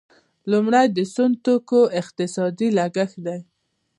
لومړی د سون توکو اقتصادي لګښت دی.